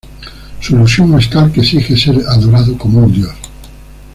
Su ilusión es tal que exige ser adorado como un dios.